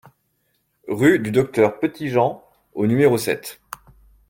Rue du Docteur Petitjean au numéro sept